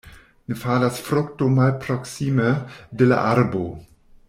Ne falas frukto malproksime de la arbo.